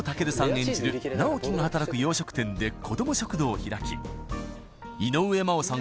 演じる直木が働く洋食店で子ども食堂を開き井上真央さん